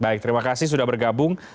baik terima kasih sudah bergabung